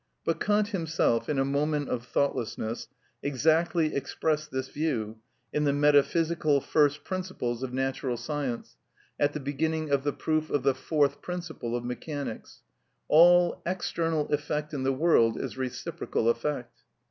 But Kant himself, in a moment of thoughtlessness, exactly expressed this view in the "Metaphysical First Principles of Natural Science" at the beginning of the proof of the fourth principle of mechanics: "All external effect in the world is reciprocal effect."